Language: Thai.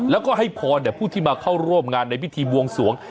แล้วก็ให้พรผู้ที่มาเข้าร่วมงานในพิธีบวงสวง